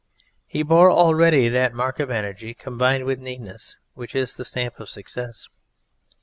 He bore already that mark of energy combined with neatness which is the stamp of success.